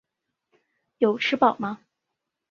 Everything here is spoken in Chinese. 有吃饱吗？